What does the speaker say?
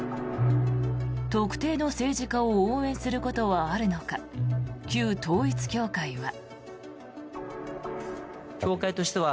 特定の政治家を応援することはあるのか旧統一教会は。